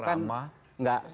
gue juga ramah